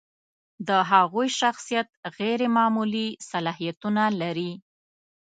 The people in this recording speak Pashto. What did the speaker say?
د هغوی شخصیت غیر معمولي صلاحیتونه لري.